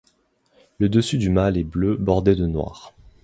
Le dessus du mâle est bleu bordé de noir.